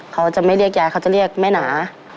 เขาจะไม่เรียกยายเขาจะเรียกแม่หนา